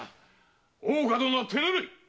大岡殿は手ぬるい！